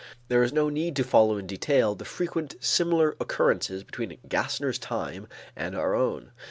There is no need to follow in detail the frequent similar occurrences between Gassner's time and our own.